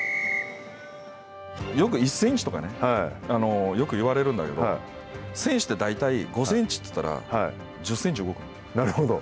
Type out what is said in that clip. よく１センチとか、よく言われるんだけど、選手って大体５センチといったら１０センチ動くの。